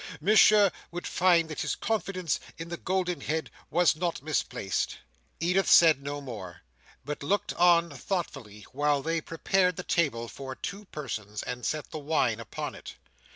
Monsieur would find that his confidence in the Golden Head was not misplaced." Edith said no more, but looked on thoughtfully while they prepared the table for two persons, and set the wine upon it.